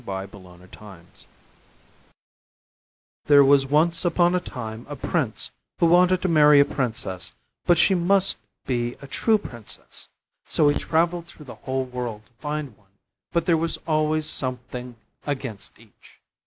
HOW TO TELL A TRUE PRINCESS There was once upon a time a Prince who wanted to marry a Princess, but she must be a true Princess. So he travelled through the whole world to find one, but there was always something against each.